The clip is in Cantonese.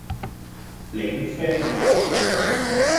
檸啡